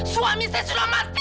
suami saya sudah mati